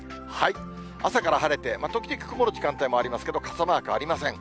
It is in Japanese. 朝から晴れて、時々曇る時間帯もありますけれども、傘マークありません。